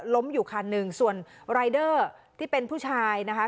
ล้มอยู่คันหนึ่งส่วนรายเดอร์ที่เป็นผู้ชายนะคะ